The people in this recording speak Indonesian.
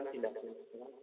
nah itu perlu dikatakan